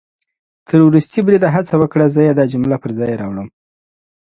تر ورستي بریده هڅه وکړه، زه يې دا جمله پر ځای راوړم